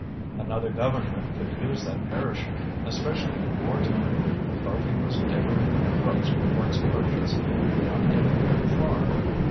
"Another government could use that parachute, especially in war time. Povy was dickering with Brooks for its purchase, and not getting very far."